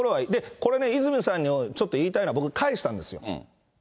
これね、泉さんにちょっと言いたいのは、僕返したんですよ。